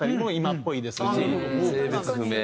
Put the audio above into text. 性別不明。